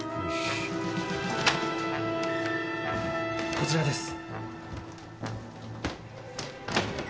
こちらです。